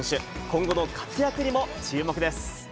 今後の活躍にも注目です。